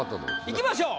いきましょう。